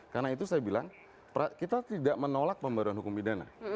karena itu saya bilang kita tidak menolak pemberontakan hukum pidana